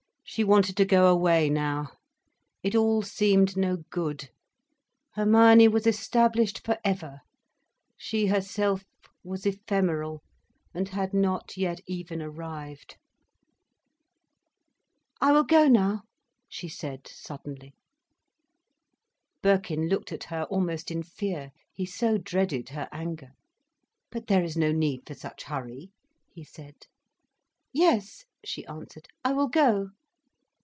She wanted to go away now. It all seemed no good. Hermione was established for ever, she herself was ephemeral and had not yet even arrived. "I will go now," she said suddenly. Birkin looked at her almost in fear—he so dreaded her anger. "But there is no need for such hurry," he said. "Yes," she answered. "I will go."